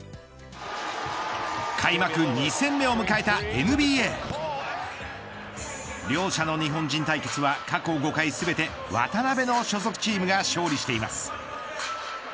開幕２戦目を迎えたＮＢＡ。両者の日本人対決は過去５回全て渡邊の所属チームが勝利しています。